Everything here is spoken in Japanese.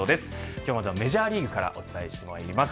今日まずはメジャーリーグからお伝えしてまいります。